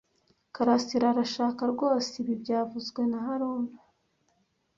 Karasira arashaka rwose ibi byavuzwe na haruna